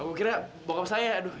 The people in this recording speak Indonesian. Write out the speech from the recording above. aku kira bokap saya aduh